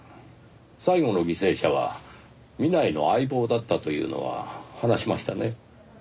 最後の犠牲者は南井の相棒だったというのは話しましたね？